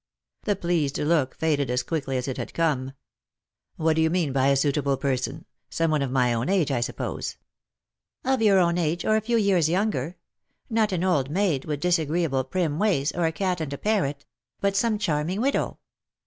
The pleased look faded as quickly as it had come. Lost for Love. 123 " What do you mean by a suitable person ? Some one of my own ape, I suppose." " Of your own age, or a few years younger. Not an old maid, with disagreeable prim ways, or a cat and a parrot : but some charming widow.